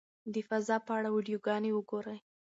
د فضا په اړه ویډیوګانې وګورئ.